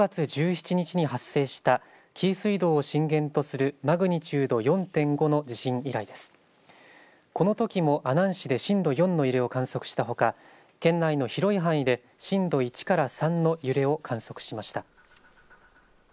このときも阿南市で震度４の揺れを観測したほか県内の広い範囲で震度１から３の揺れを観測しました。